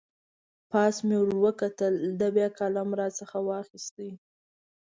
پاس مې ور وکتل، ده بیا قلم را نه واخست.